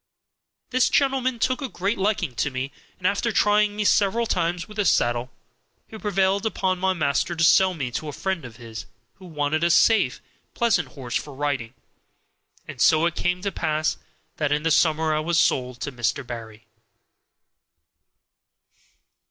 This gentleman took a great liking to me, and after trying me several times with the saddle he prevailed upon my master to sell me to a friend of his, who wanted a safe, pleasant horse for riding. And so it came to pass that in the summer I was sold to Mr. Barry.